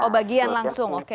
oh bagian langsung oke